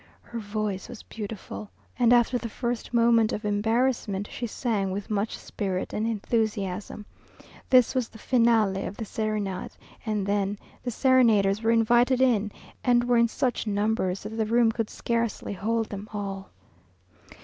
Her voice was beautiful, and after the first moment of embarrassment, she sang with much spirit and enthusiasm. This was the finale of the serenade, and then the serenaders were invited in, and were in such numbers that the room would scarcely hold them all.